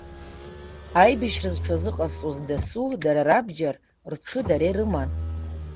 Аибашьра зҽазыҟазҵоз дасу дара рабџьар, рҽы дара ирыман.